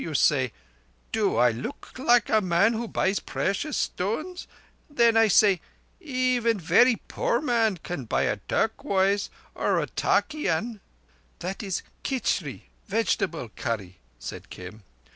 You say: 'Do I look like a man who buys precious stones?' Then I say: 'Even verree poor man can buy a turquoise or tarkeean.'" "That is kichree—vegetable curry," said Kim.